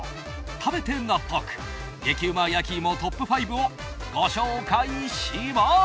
食べて納得、激うま焼き芋トップ５をご紹介します！